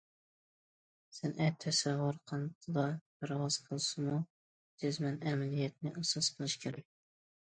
سەنئەت تەسەۋۋۇر قانىتىدا پەرۋاز قىلسىمۇ، جەزمەن ئەمەلىيەتنى ئاساس قىلىش كېرەك.